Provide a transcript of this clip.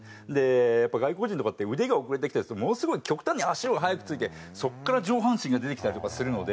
やっぱ外国人とかって腕が遅れてきたりするとものすごい極端に足を早く着いてそこから上半身が出てきたりとかするので。